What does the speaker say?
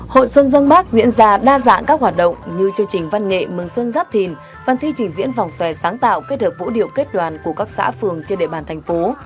hội xuân dân bác diễn ra đa dạng các hoạt động như chương trình văn nghệ mừng xuân giáp thìn phần thi trình diễn vòng xòe sáng tạo kết hợp vũ điệu kết đoàn của các xã phường trên địa bàn thành phố